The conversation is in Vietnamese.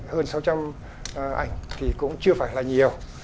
hơn sáu trăm linh ảnh thì cũng chưa phải là nhiều